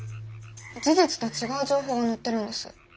事実と違う情報が載ってるんです。